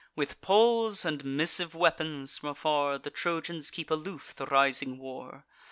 With poles and missive weapons, from afar, The Trojans keep aloof the rising war.